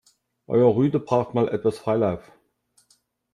Euer Rüde braucht mal etwas Freilauf.